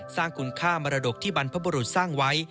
สร้างคุณค่ามรดกที่บรรพบุรุษสร้างไว้